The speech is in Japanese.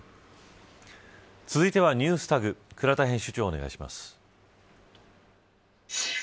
続いてはＮｅｗｓＴａｇ倉田編集長、お願いします。